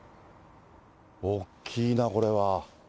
おっきいな、これは。